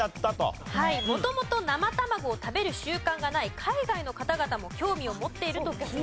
「元々生卵を食べる習慣がない海外の方々も興味を持っていると聞いた」